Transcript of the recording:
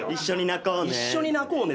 一緒に泣こうね。